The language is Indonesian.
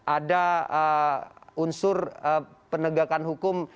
ada unsur penegakan hukum